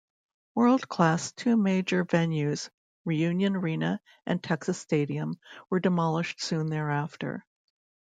World Class' two major venues, Reunion Arena and Texas Stadium, were demolished soon thereafter.